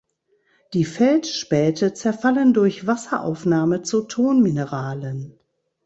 Die Feldspäte zerfallen durch Wasseraufnahme zu Tonmineralen.